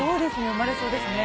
生まれそうですね。